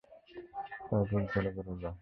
তাই বুকজ্বলা বেড়ে যায়।